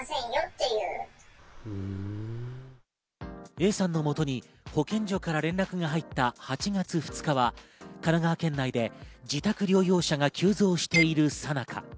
Ａさんのもとに保健所から連絡が入った８月２日は、神奈川県内で自宅療養者が急増しているさなか。